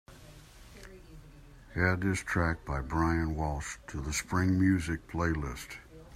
Add this track by Brian Welch to the spring music playlist